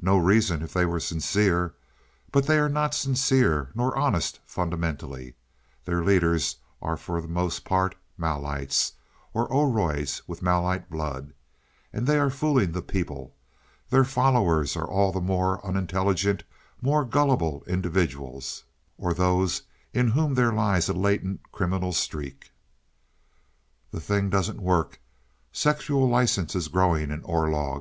"No reason, if they were sincere. But they are not sincere nor honest fundamentally. Their leaders are for the most part Malites, or Oroids with Malite blood. And they are fooling the people. Their followers are all the more unintelligent, more gullible individuals, or those in whom there lies a latent criminal streak. "The thing doesn't work. Sexual license is growing in Orlog.